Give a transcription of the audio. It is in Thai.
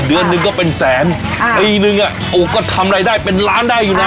เดือนนึงก็เป็นแสนอีกเมื่อกี้ก็ทำรายได้เป็นล้านอยู่ล่ะ